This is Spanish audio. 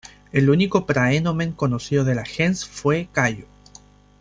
El único "praenomen" conocido de la "gens" fue Cayo.